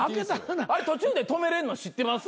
あれ途中で止めれんの知ってます？